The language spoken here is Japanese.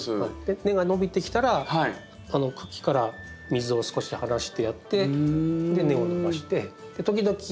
根が伸びてきたら茎から水を少し離してやって根を伸ばして時々薄い液肥ですよ。